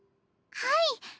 はい。